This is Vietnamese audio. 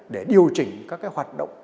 để điều chỉnh các cái hoạt động